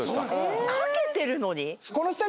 掛けてるのに？